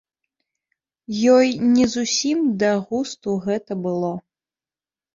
Ёй не зусім да густу гэта было.